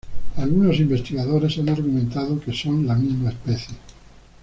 Algunos investigadores han argumentado que son la misma especie.